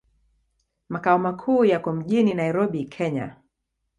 Makao makuu yako mjini Nairobi, Kenya.